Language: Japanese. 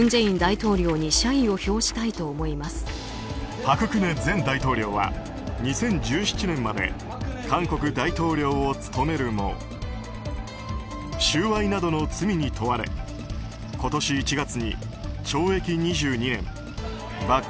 朴槿惠前大統領は２０１７年まで韓国大統領を務めるも収賄などの罪に問われ今年１月に懲役２０年罰金